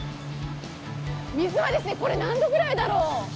水は、これ何度ぐらいだろう。